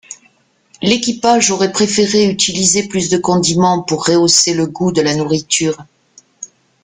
L'équipage aurait préféré utiliser plus de condiments pour rehausser le goût de la nourriture.